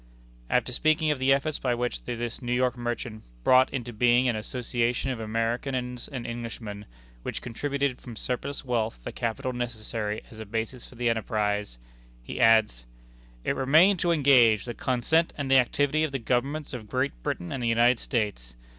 After speaking of the efforts by which this New York merchant "brought into being an association of Americans and Englishmen, which contributed from surplus wealth the capital necessary as a basis for the enterprise"; he adds: "It remained to engage the consent and the activity of the Governments of Great Britain and the United States.